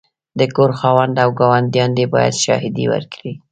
د کور خاوند او ګاونډیان دي باید شاهدې ورکړې.